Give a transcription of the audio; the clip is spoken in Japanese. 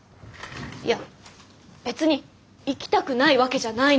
いや別に行きたくないわけじゃないの。